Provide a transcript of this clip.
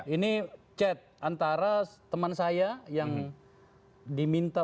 ini chat antara teman saya yang di minitab